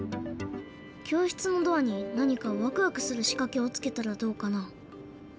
教室のドアに何かワクワクするしかけをつけたらどうかな？